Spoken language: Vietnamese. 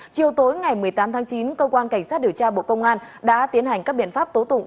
chiều tối ngày một mươi tám tháng chín cơ quan cảnh sát điều tra bộ công an đã tiến hành các biện pháp tố tụng